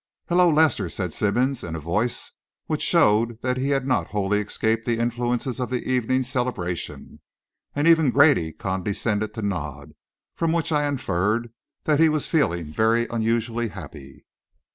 "Hello, Lester," said Simmonds, in a voice which showed that he had not wholly escaped the influences of the evening's celebration; and even Grady condescended to nod, from which I inferred that he was feeling very unusually happy.